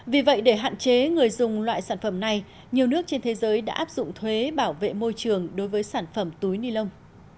vì vậy để hạn chế người dùng loại sản phẩm này nhiều nước trên thế giới đã áp dụng thuế bảo vệ môi trường đối với sản phẩm túi ni lông